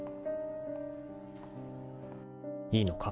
［いいのか？